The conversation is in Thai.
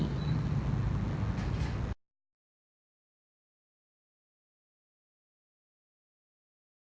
ช่วงของความรู้สึกมันติดตัวจริง